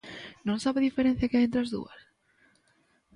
¿Non sabe a diferenza que hai entre as dúas?